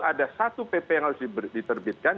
ada satu pp yang harus diterbitkan